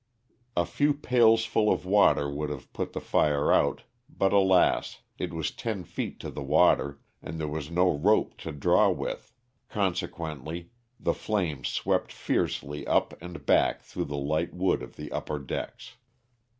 A few pailsful of water would have put the fire out, but alas, it was ten feet to the water and there was no rope to draw with, conse quently the flimes swept fiercely up and back through the light wood of the upper decks.